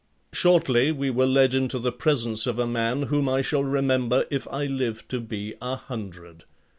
Shortly, we were led into the presence of a man whom I shall remember if I live to be a hundred.